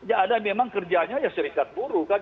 ya ada memang kerjanya ya serikat buruh kan